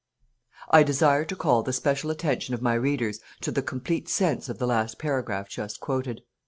I desire to call the special attention of my readers to the complete sense of the last paragraph just quoted.